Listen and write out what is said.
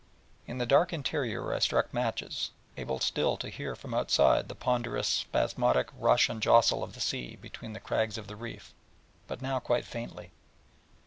In the dark interior I struck matches, able still to hear from outside the ponderous spasmodic rush and jostle of the sea between the crags of the reef, but now quite faintly.